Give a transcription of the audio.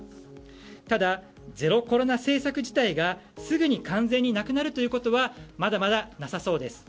ただ、ゼロコロナ政策自体がすぐに完全になくなることはまだまだなさそうです。